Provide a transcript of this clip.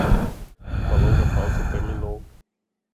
Uma longa pausa terminou.